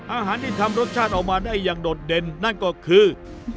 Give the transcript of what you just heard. อาหารที่ทำรสชาติออกมาได้อย่างโดดเด่นนั่นก็คือ